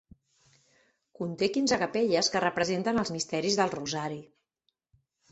Conté quinze capelles que representen els misteris del rosari.